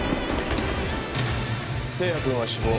星也くんは死亡。